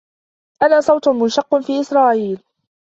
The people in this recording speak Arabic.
أنا صوت منشقّ في إسرائيل.